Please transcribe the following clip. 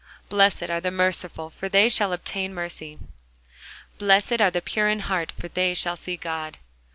Blessed are the merciful: for they shall obtain mercy. Blessed are the pure in heart: for they shall see God.